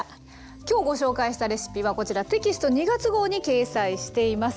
今日ご紹介したレシピはこちらテキスト２月号に掲載しています。